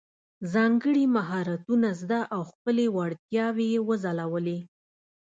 ځانګړي مهارتونه زده او خپلې وړتیاوې یې وځلولې.